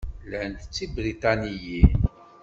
Llant d Tibriṭaniyin.